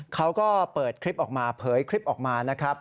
เขาก็เปิดคลิปออกมาเผยคลิปออกมานะครับ